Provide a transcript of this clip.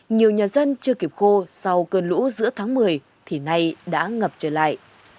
nhiều nhà dân chưa kịp khô sau cơn lũ giữa tháng một mươi thì nay đã ngập trở lại